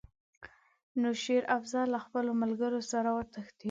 نو شېر افضل له خپلو ملګرو سره وتښتېد.